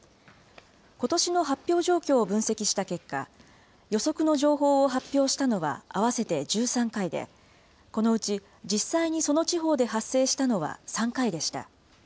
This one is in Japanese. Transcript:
ことしの発表状況を分析した結果、予測の情報を発表したのは合わせて１３回で、このうち実際にその地方で発生したのは３回でした。